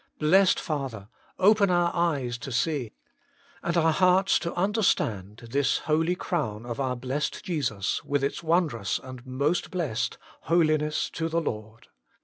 Blessed Father ! open our eyes to see, and our hearts to understand this holy crown of our blessed Jesus, with its wondrous and most blessed, HOLINESS TO THE LORD.